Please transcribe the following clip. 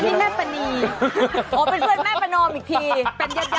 อ๋อเป็นเพื่อนแม่ประนอมอีกทีเป็นยาดกัน